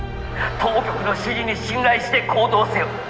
当局の指示に信頼して行動せよ。